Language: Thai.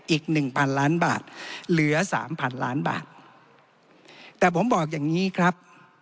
อีกหนึ่งพันล้านบาทเหลือสามพันล้านบาทแต่ผมบอกอย่างงี้ครับ